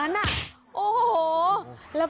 เรามาที่นี่ได้ไหมครับ